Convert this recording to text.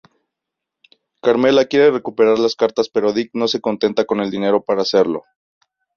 Carmela quiere recuperar las cartas pero Dick no se contenta con dinero para hacerlo.